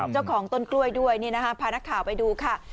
เจ้าของต้นกล้วยด้วยพานักข่าวไปดูค่ะ